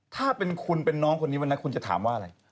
ถ้าเป็นคุณเป็นน้องเราก็คุณจะถามว่าอะไร